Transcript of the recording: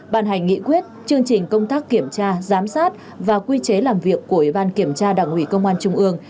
bàn hành nghị quyết chương trình công tác kiểm tra giám sát và quy chế làm việc của ủy ban kiểm tra đảng ủy công an trung ương